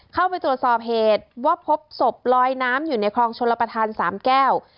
เข้าไปตรวจสอบเหตุว่าพบศพลอยน้ำอยู่ในคลองชลประธานสามแก้ว